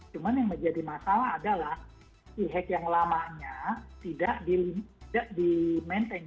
cuma yang menjadi masalah adalah e hack yang lamanya tidak di maintain